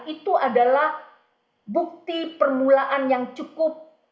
itu adalah bukti permulaan yang cukup